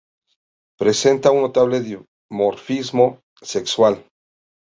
Presenta un notable dimorfismo sexual.